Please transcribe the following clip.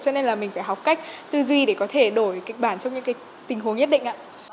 cho nên là mình phải học cách tư duy để có thể đổi kịch bản trong những tình huống nhất định ạ